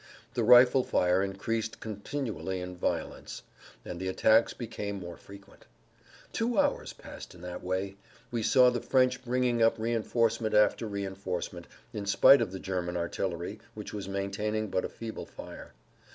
The rifle fire increased continually in violence, and the attacks became more frequent. Two hours passed in that way. We saw the French bringing up reinforcement after reinforcement, in spite of the German artillery which was maintaining but a feeble fire.